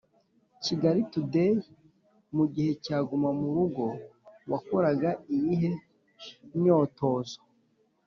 Kigali Today: Mu gihe cya guma mu rugo wakoraga iyihe myotozo?